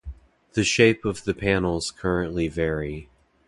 The shape of the panels currently vary.